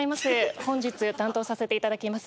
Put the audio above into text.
本日担当させていただきます